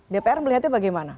dpr melihatnya bagaimana